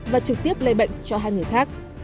và trực tiếp lây bệnh cho hai người khác